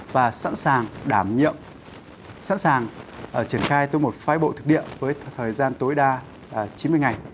và sẵn sàng đảm nhiệm sẵn sàng triển khai tới một phái bộ thực địa với thời gian tối đa chín mươi ngày